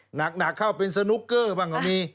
หนักเข้าเป็นสนุกเกอร์บ้างก็มี